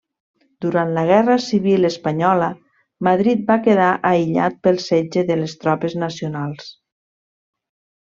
Durant la Guerra civil espanyola, Madrid va quedar aïllat pel setge de les tropes Nacionals.